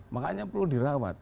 makanya perlu dirawat